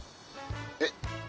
えっ？